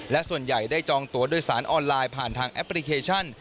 และส่วนใหญ่ได้จองตัวโดยสารออนไลน์ผ่านทางแอปพลิเคชัน